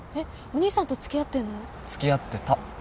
お兄さんと付き合ってんの？付き合ってた。